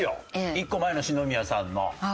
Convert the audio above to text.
１個前の篠宮さんの。